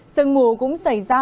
sơn mù cũng xảy ra